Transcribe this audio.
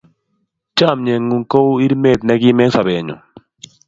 Chomye ng'ung' kou irimet ne kim eng' sobenyu.